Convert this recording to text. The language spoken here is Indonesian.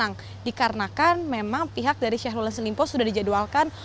yang dikarenakan memang pihak dari syahrul yassin limpo sudah dijadwalkan